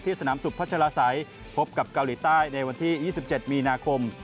สนามสุขพัชลาศัยพบกับเกาหลีใต้ในวันที่๒๗มีนาคม